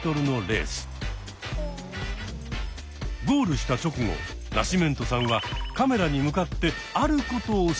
ゴールした直後ナシメントさんはカメラに向かってあることをします。